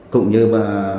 cũng như bà